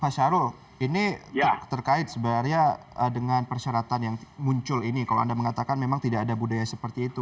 pak syarul ini terkait sebenarnya dengan persyaratan yang muncul ini kalau anda mengatakan memang tidak ada budaya seperti itu